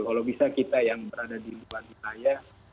kalau bisa kita yang berada di luar wilayah